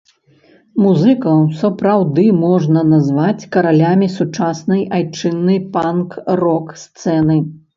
Музыкаў сапраўдны можна назваць каралямі сучаснай айчыннай панк-рок сцэны.